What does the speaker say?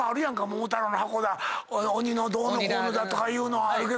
桃太郎の墓だ鬼のどうのこうのだとかいうのあるけどやな。